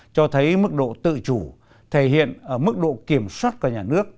cho thấy mức độ tự chủ thể hiện ở mức độ kiểm soát của nhà nước